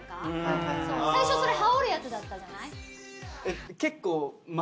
最初それ羽織るやつだったじゃない？